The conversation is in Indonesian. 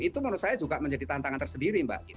itu menurut saya juga menjadi tantangan tersendiri mbak